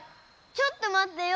ちょっとまってよ。